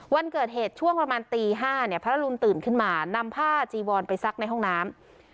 วันเกิดเหตุช่วงประมาณตี๕เนี่ยพระอรุณตื่นขึ้นมานำผ้าจีวอนไปซักในห้องน้ำ